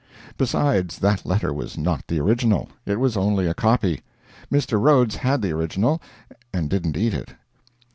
Besides, that letter was not the original, it was only a copy. Mr. Rhodes had the original and didn't eat it.